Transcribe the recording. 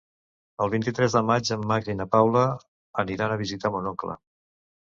El vint-i-tres de maig en Max i na Paula aniran a visitar mon oncle.